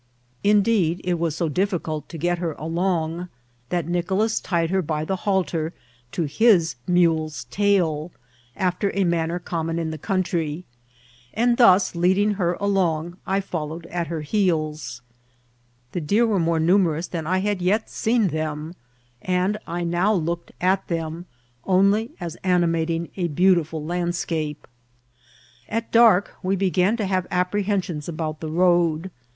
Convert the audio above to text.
In^leed, it wm bo difficult to get her aloi^, that Nieolas tied ber bj the hall^ to his mole's tail, after a manner conmion in the ooontry, and thos leading her along, I followed at her heeb. The deer were more anaeroiia than I bad yet aeen them, aad I now looked at diem only as animating a beaotifid landscape. At dark we began to have apprehensions about the road.